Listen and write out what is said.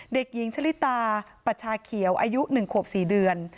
เด็กหญิงชะลิตาปัชชาเขียวอายุ๑ขวบ๔เดือน